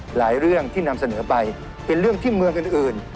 เรื่องที่นำเสนอไปเป็นเรื่องที่เมืองอื่น